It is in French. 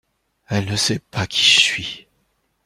Elle ne sait pas qui je suis.